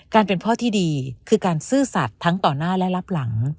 เป็นพ่อที่ดีคือการซื่อสัตว์ทั้งต่อหน้าและรับหลัง